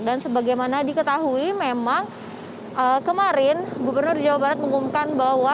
dan sebagaimana diketahui memang kemarin gubernur jawa barat mengumumkan bahwa